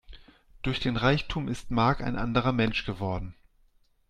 Durch den Reichtum ist Mark ein anderer Mensch geworden.